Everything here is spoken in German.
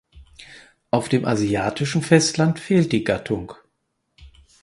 Auf dem asiatischen Festland fehlt die Gattung.